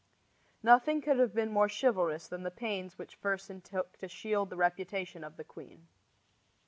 Nothing could have been more chivalrous than the pains which Fersen took to shield the reputation of the queen.